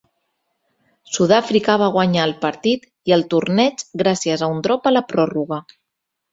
Sud-àfrica va guanyar el partit i el torneig gràcies a un drop a la pròrroga.